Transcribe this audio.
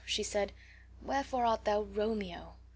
said she, "wherefore art thou Romeo?